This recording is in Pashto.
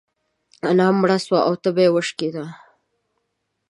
انا مړه سوه او تبه يې وشکيده.